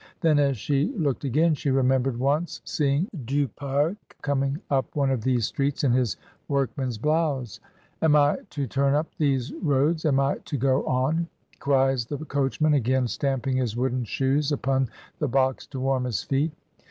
Then, as she looked again, she remembered once seeing Du Pare coming up one of these streets in his workman's blouse. "Am I to turn up these roads — am I to go on?" cries the coachman, again stamping his wooden shoes upon the box to warm his feet.